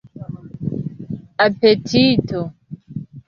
apetito